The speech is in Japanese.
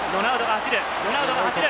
ロナウドが走る。